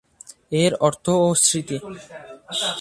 এর অর্থও স্মৃতি।